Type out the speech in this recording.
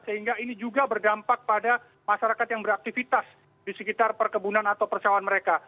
sehingga ini juga berdampak pada masyarakat yang beraktivitas di sekitar perkebunan atau persawahan mereka